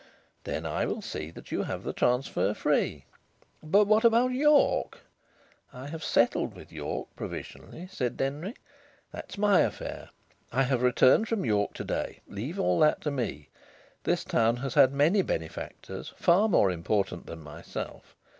"Then I will see that you have the transfer free." "But what about York?" "I have settled with York provisionally," said Denry. "That is my affair. I have returned from York to day. Leave all that to me. This town has had many benefactors far more important than myself.